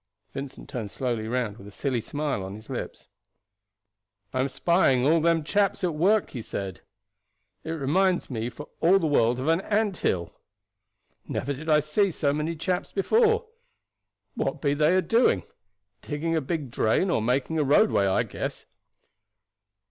Vincent turned slowly round with a silly smile on his lips. "I am spying all them chaps at work," he said. "It reminds me for all the world of an ant hill. Never did see so many chaps before. What be they a doing? Digging a big drain or making a roadway, I guess."